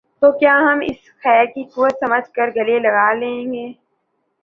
تو کیا ہم اسے خیر کی قوت سمجھ کر گلے لگا لیں گے؟